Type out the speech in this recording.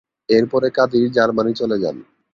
এরপরে কাদির জার্মানি চলে যান।